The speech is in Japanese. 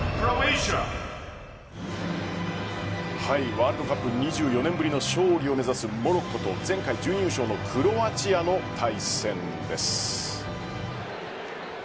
ワールドカップ２４年ぶりの勝利を目指すモロッコと前回準優勝のクロアチアの対戦です。